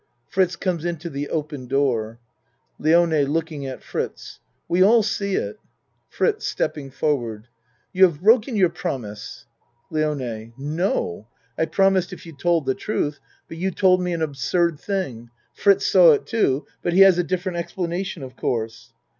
(Fritz comes into the open door.) LIONE (Looking at Fritz.) We all see it. FRITZ (Stepping forward.) You have broken your promise. LIONE No! I promised if you told the truth but you told me an absurd thing. Fritz saw it too, but he has a different explanation, of course.